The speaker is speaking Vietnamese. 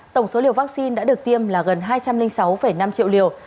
tổng số liều vaccine đã được tiêm là gần hai trăm linh sáu năm triệu liều